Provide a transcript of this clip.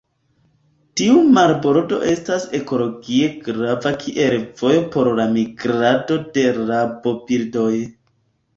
Tiu marbordo estas ekologie grava kiel vojo por la migrado de rabobirdoj.